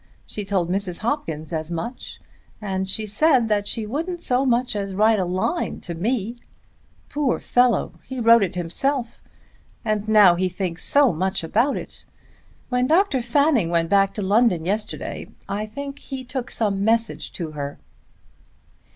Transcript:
She told Mrs. Hopkins as much, and she said that she wouldn't so much as write a line to me. Poor fellow; he wrote it himself. And now he thinks so much about it. When Dr. Fanning went back to London yesterday I think he took some message to her."